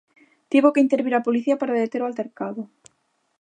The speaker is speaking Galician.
Tivo que intervir a policía para deter o altercado.